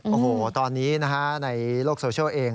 โอ้โหตอนนี้นะฮะในโลกโซเชียลเอง